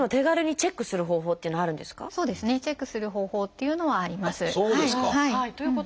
チェックする方法っていうのはあります。